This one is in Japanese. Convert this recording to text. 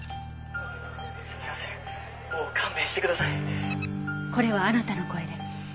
「もう勘弁してください」これはあなたの声です。